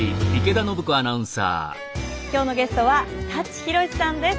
今日のゲストは舘ひろしさんです。